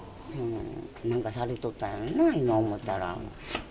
なんかされとったんやろな、今思ったら。